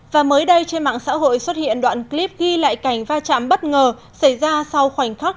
và mới đây trên mạng xã hội xuất hiện đoạn clip ghi lại cảnh va chạm bất ngờ xảy ra sau khoảnh khắc